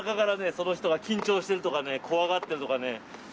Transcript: その人が緊張しているとかね怖がってるとかね。